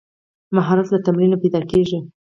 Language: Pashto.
مهارت له تمرین پیدا کېږي.